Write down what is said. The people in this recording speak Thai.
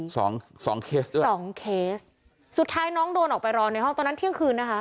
สองสองเคสด้วยสองเคสสุดท้ายน้องโดนออกไปรอในห้องตอนนั้นเที่ยงคืนนะคะ